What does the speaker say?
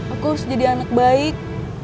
aku harus jadi anak baik